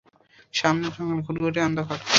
সামনে জঙ্গল, ঘুটঘুটে অন্ধকার!